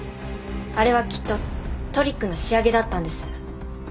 あれはきっとトリックの仕上げだったんです。